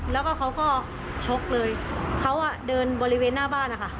แล้วก็เขาก็ชกเลยเขาอ่ะเดินบริเวณหน้าบ้านนะคะ